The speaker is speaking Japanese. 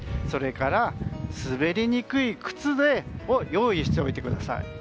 それから滑りにくい靴を用意しておいてください。